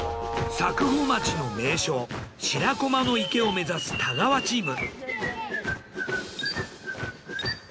佐久穂町の名所白駒の池を目指す太川チーム。